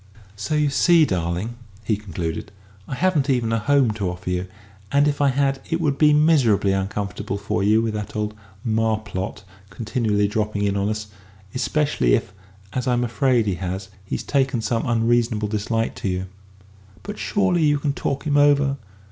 "So you see, darling," he concluded, "I haven't even a home to offer you; and if I had, it would be miserably uncomfortable for you with that old Marplot continually dropping in on us especially if, as I'm afraid he has, he's taken some unreasonable dislike to you." "But surely you can talk him over?"